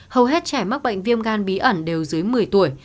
hầu hết trẻ mắc bệnh viêm gan bí ẩn đều dưới một mươi tuổi